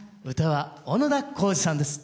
唄は小野田浩二さんです。